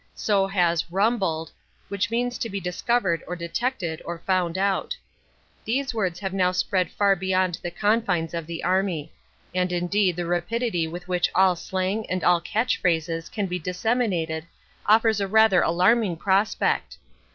So has "rumbled," which means to be discovered or detected or found out. These words have now spread far beyond the confines of the army. And indeed the rapidity with which all slang and all catch phrases can be disseminated offers a rather alarming prospect.